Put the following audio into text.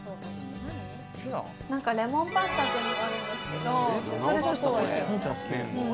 レモンパスタっていうのがあるんですけど、それ結構おいしいよね。